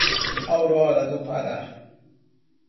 Aurora do Pará